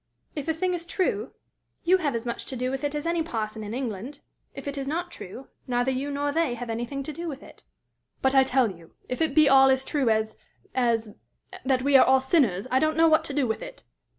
If a thing is true, you have as much to do with it as any parson in England; if it is not true, neither you nor they have anything to do with it." "But, I tell you, if it be all as true as as that we are all sinners, I don't know what to do with it!"